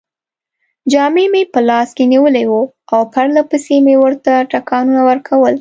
جال مې په لاس کې نیولی وو او پرلپسې مې ورته ټکانونه ورکول.